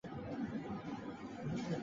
姆克瓦瓦的赫赫族首领。